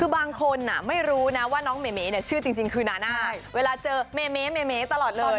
คือบางคนไม่รู้นะว่าน้องเมชื่อจริงคือนาน่าเวลาเจอเมตลอดเลย